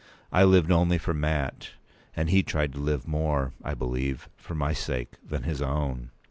I lived only for Mat; and he tried to live more, I believe, for my sake than his own.